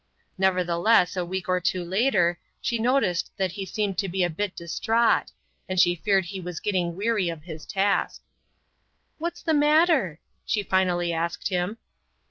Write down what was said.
Nevertheless a week or two later she noticed that he seemed to be a bit distraught, and she feared he was getting weary of his task. "What's the matter?" she finally asked him.